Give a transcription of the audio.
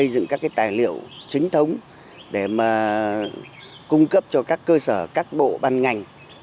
để mà cung cấp cho các cơ sở các bộ bàn ngành